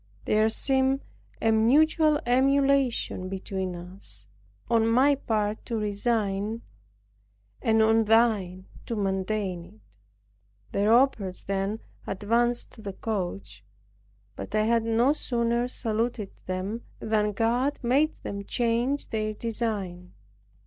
There seemed a mutual emulation between us, on my part to resign it, and on thine to maintain it. The robbers then advanced to the coach; but I had no sooner saluted them, than God made them change their design.